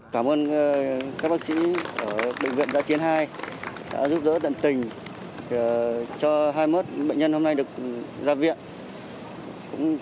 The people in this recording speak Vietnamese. các bác sĩ ở bệnh viện giã chiến hai đã giúp giỡn tận tình cho hai mươi một bệnh nhân hôm nay được ra viện